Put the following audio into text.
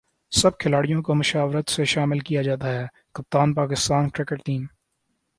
سب کھلاڑیوں کومشاورت سےشامل کیاجاتاہےکپتان پاکستان کرکٹ ٹیم